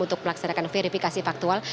untuk melaksanakan verifikasi faktual